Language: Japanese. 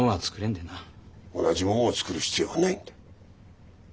同じもんを作る必要はない。